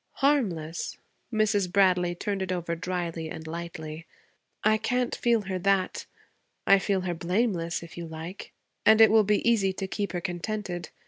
'Harmless?' Mrs. Bradley turned it over dryly and lightly.' I can't feel her that. I feel her blameless if you like. And it will be easy to keep her contented.